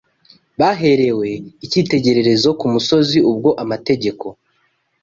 Baherewe icyitegererezo ku musozi ubwo amategeko